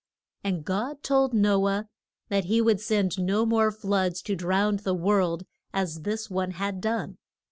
And God told No ah that he would send no more floods to drown the world as this one had done.